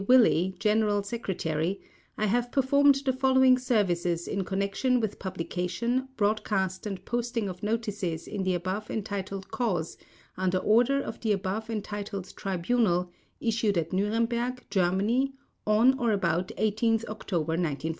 Willey, General Secretary, I have performed the following services in connection with publication, broadcast and posting of notices in the above entitled cause under order of the above entitled tribunal issued at Nuremberg, Germany, on or about 18 October 1945: 1.